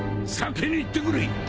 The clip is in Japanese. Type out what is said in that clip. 先に行ってくれ！